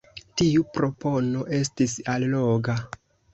Tiu propono estis alloga.